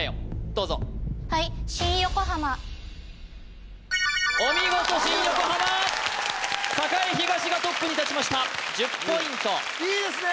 どうぞお見事新横浜栄東がトップに立ちました１０ポイントいいですね